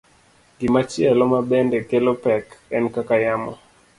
Gimachielo mabende kelo pek en kaka yamo